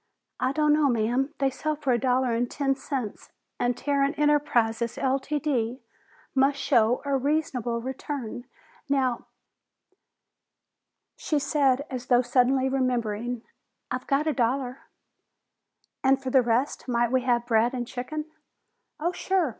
"I don't know, ma'am. They sell for a dollar and ten cents, and Tarrant Enterprises, Ltd., must show a reasonable return. Now " She said, as though suddenly remembering, "I've got a dollar." "And for the rest might we have bread and chicken?" "Oh, sure!